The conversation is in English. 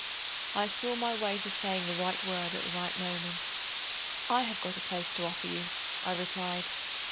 I saw my way to saying the right word at the right moment. "I have got a place to offer you," I replied.